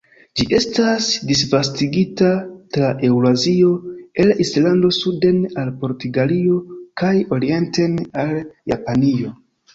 Ĝi estas disvastigita tra Eŭrazio el Islando suden al Portugalio kaj orienten al Japanio.